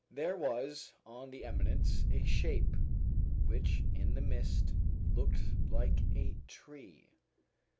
There was on the eminence a shape which in the mist looked like a tree.